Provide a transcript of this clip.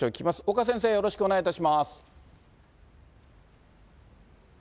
岡先生、よろしくお願いいたします。